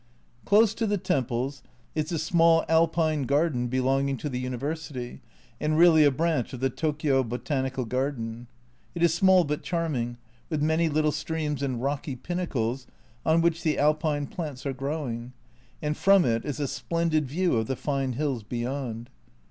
Close to the temples is the small Alpine garden belonging to the University, and really a branch of the Tokio Botanical Garden. It is small, but charming, with many little streams and rocky pinnacles on which the alpine plants are growing, and from it is a splendid view of the fine hills beyond.